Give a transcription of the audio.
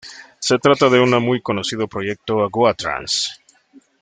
Se trata de una muy conocido proyecto Goa trance.